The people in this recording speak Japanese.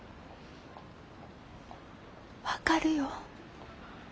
分かるよ。